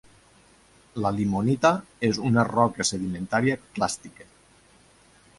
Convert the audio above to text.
La limonita és una roca sedimentària clàstica.